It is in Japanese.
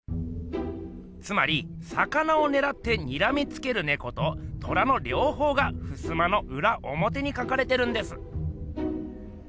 つまり魚をねらってにらみつけるねこと虎のりょうほうがふすまのうらおもてに描かれてるんです。